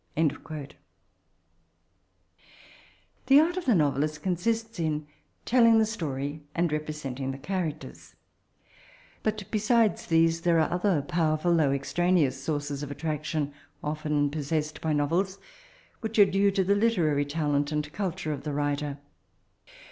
'^'*' The art of the novelist consists ia telling the story and representing the characters; but besioes these, there are other powerful though extraneous sources of attraetion often possessed by novels, which are due to the literary talent and cultnre of the writer.